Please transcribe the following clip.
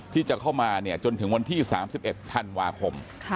ที่จะเข้ามาจนถึงวันที่๓๑ธันวาคม